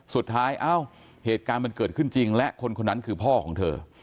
เอ้าเหตุการณ์มันเกิดขึ้นจริงและคนคนนั้นคือพ่อของเธอ